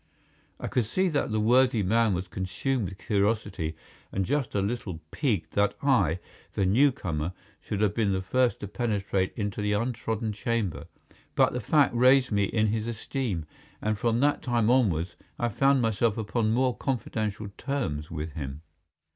I could see that the worthy man was consumed with curiosity and just a little piqued that I, the newcomer, should have been the first to penetrate into the untrodden chamber. But the fact raised me in his esteem, and from that time onwards I found myself upon more confidential terms with him.